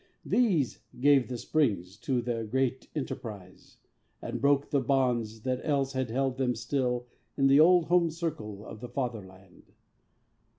These gave the springs to their great enterprise, And broke the bonds that else had held them still In the old home circle of the Fatherland.